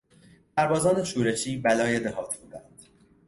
سربازان شورشی بلای دهات بودند.